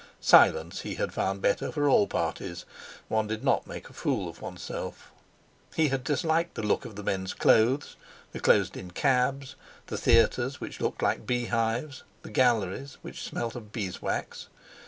Silence he had found better for all parties; one did not make a fool of oneself. He had disliked the look of the men's clothes, the closed in cabs, the theatres which looked like bee hives, the Galleries which smelled of beeswax.